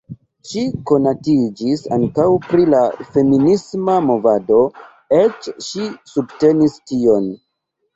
Ŝi konatiĝis ankaŭ pri la feminisma movado, eĉ ŝi subtenis tion.